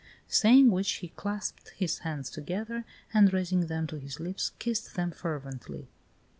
Saying which he clasped his hands together, and, raising them to his lips, kissed them fervently.